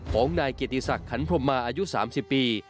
ของนายเกียรติศักดิ์ขันพรมมาอายุ๓๐ปี